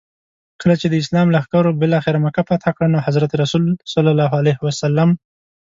کله چي د اسلام لښکرو بالاخره مکه فتح کړه نو حضرت رسول ص.